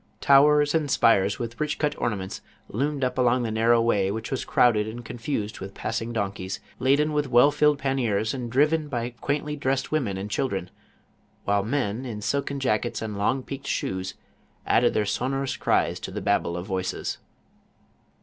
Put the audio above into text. Towers and spires with rich cut ornaments loomed up along the narrow way which was crowded and con fused with passing donkeys, laden with well filled pan niers and driven by quaintly dressed women and chil dren, while men, in silken jackets and long peaked shoes, added their sonorous cries to the Babel of voices.